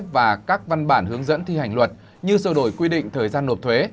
và các văn bản hướng dẫn thi hành luật như sơ đổi quy định thời gian nộp thuế